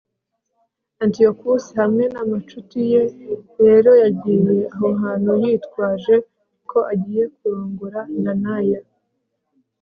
antiyokusi hamwe n'amacuti ye rero yagiye aho hantu yitwaje ko agiye kurongora nanaya